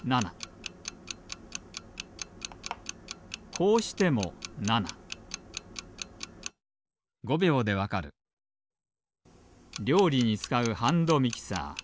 こうしても７りょうりにつかうハンドミキサー。